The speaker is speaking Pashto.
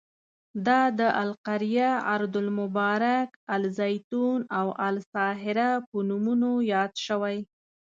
دا د القریه، ارض المبارک، الزیتون او الساهره په نومونو یاد شوی.